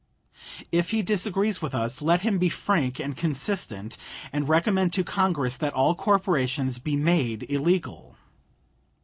If he disagrees with us, let him be frank and consistent, and recommend to Congress that all corporations be made illegal.